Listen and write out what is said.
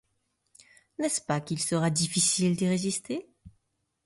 N'est-ce pas qu'il sera difficile d'y résister?